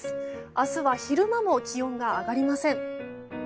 明日は昼間も気温が上がりません。